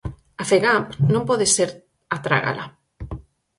A Fegamp non pode ser a trágala.